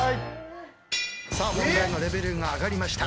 さあ問題のレベルが上がりました。